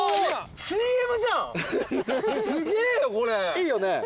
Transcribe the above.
いいよね。